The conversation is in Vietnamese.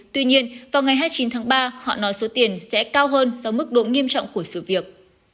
tuy nhiên vào ngày hai mươi chín tháng ba họ nói số tiền sẽ cao hơn do mức độ nghiêm trọng của sự việc